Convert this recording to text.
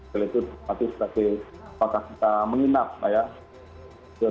yaitu seperti apakah kita menginap ya ya